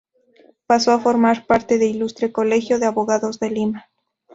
Pasó a formar parte del Ilustre Colegio de Abogados de Lima.